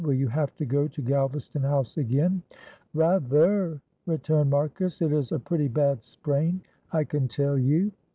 Will you have to go to Galvaston House again?" "Rather!" returned Marcus; "it is a pretty bad sprain, I can tell you.